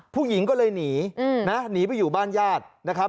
ผู้หญิงก็เลยหนีนะหนีไปอยู่บ้านญาตินะครับ